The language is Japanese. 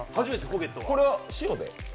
これ、塩で？